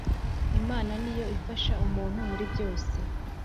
imana niyo ifasha umuntu muri byose